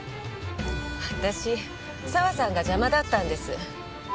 私佐和さんが邪魔だったんです。